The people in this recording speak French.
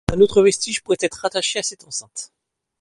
Un autre vestige pourrait être rattaché à cette enceinte.